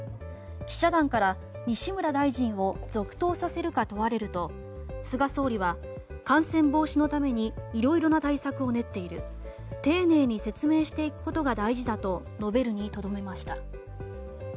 記者団から西村大臣を続投させるか問われると菅総理は感染防止のためにいろいろな対策を練っている丁寧に説明していくことが大事だと述べるにとどめました。